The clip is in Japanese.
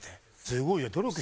すごいよ。